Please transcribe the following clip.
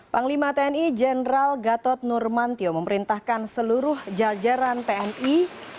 panglima tni jenderal gatot nurmantio memerintahkan seluruh jajaran tni